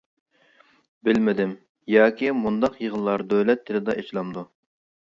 بىلمىدىم، ياكى مۇنداق يىغىنلار دۆلەت تىلىدا ئېچىلامدۇ؟ !